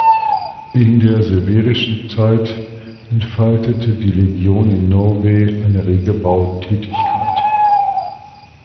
In der severischen Zeit entfaltete die Legion in Novae eine rege Bautätigkeit.